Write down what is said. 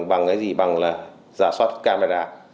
bằng cái gì bằng là giả soát camera